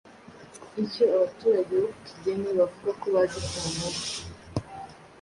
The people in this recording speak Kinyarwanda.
Icyo abaturage bo ku Kigeme bavuga ko bazi ku nkuba